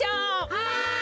はい！